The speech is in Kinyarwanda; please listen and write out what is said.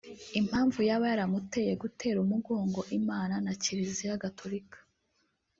Impamvu yaba yaramuteye gutera umugongo Imana na Kiliziya Gatolika